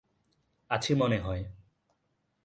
আছি, মনে হয়।